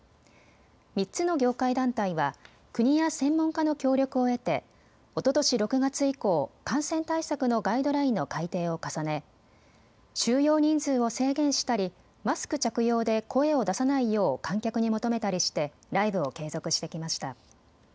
３つの業界団体は国や専門家の協力を得て、おととし６月以降、感染対策のガイドラインの改訂を重ね収容人数を制限したりマスク着用で声を出さないよう観客に求めたりしてライブを継続してきました。